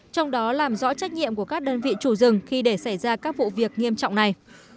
trong đó làm rõ trách nhiệm của các đơn vị chủ rừng khi để xảy ra các vụ việc nghiêm trọng này